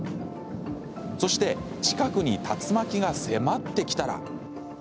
そして近くに竜巻が迫ってきたら。